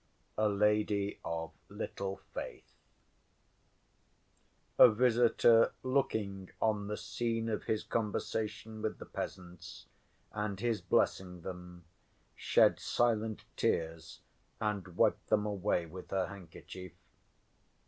A Lady Of Little Faith A visitor looking on the scene of his conversation with the peasants and his blessing them shed silent tears and wiped them away with her handkerchief.